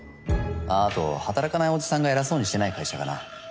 あっ後働かないおじさんが偉そうにしてない会社かな。